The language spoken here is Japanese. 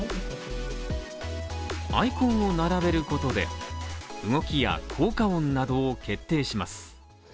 アイコンを並べることで、動きや効果音などを決定します。